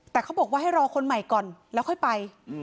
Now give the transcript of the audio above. แต่เขาบอกว่าให้รอคนใหม่ก่อนแล้วค่อยไป